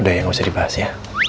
udah ya nggak usah dibahas ya